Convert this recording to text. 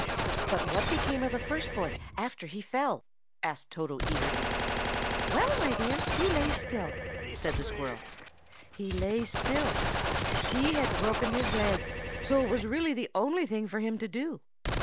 "But what became of the first boy after he fell?" asked Toto eagerly. "His father took him away in a wheelbarrow." "Well, my dear, he lay still," said the squirrel. "He lay still. He had broken his leg, so it was really the only thing for him to do.